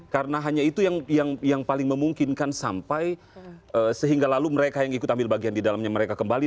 karena hanya itu yang paling memungkinkan sampai sehingga lalu mereka yang ikut ambil bagian di dalamnya mereka kembali